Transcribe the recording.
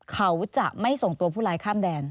เขาจะไม่ส่งตัวผู้ร้ายข้ามแดน